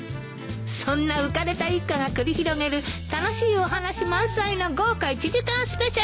そんな浮かれた一家が繰り広げる楽しいお話満載の豪華１時間スペシャル。